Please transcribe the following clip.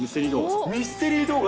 ミステリー動画？